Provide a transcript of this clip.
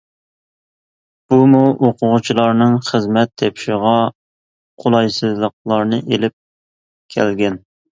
بۇمۇ ئوقۇغۇچىلارنىڭ خىزمەت تېپىشىغا قولايسىزلىقلارنى ئېلىپ كەلگەن.